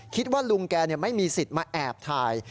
คิดว่าลุงแกไม่มีสิทธิ์มาแอบถ่าย